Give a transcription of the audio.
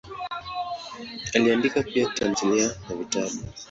Aliandika pia tamthilia na vitabu.